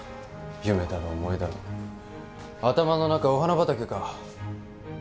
夢だの思いだの頭の中お花畑か。